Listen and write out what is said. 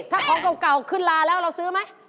ถ้าของเก่าขึ้นลาแล้วเราซื้อไหม